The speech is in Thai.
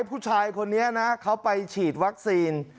ผู้ชายคนนี้นะเขาไปฉีดวัคซีน